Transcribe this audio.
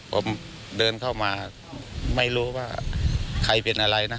ผมเดินต้นไม่มีทางเหมือนไม่รู้ใครเป็นอะไรนะ